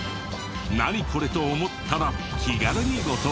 「ナニコレ？」と思ったら気軽にご投稿を。